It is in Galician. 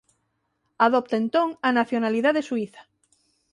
Adopta entón a nacionalidade suíza.